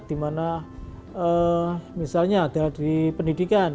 di mana misalnya ada di pendidikan